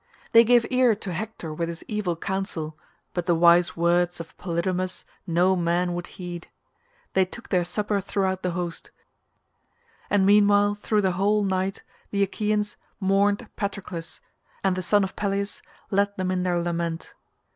They gave ear to Hector with his evil counsel, but the wise words of Polydamas no man would heed. They took their supper throughout the host, and meanwhile through the whole night the Achaeans mourned Patroclus, and the son of Peleus led them in their lament.